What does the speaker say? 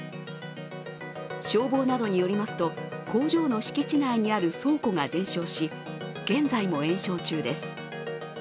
消防などによりますと、工場の敷地内にある倉庫が全焼し、現在も延焼中です。